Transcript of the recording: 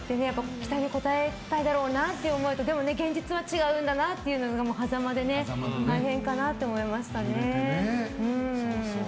期待に応えたいだろうなという思いとでも、現実は違うんだろうなというはざまで大変だなと思いましたね。